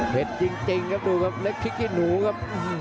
เข็ดจริงครับดูครับเล็กพิกกินหูครับ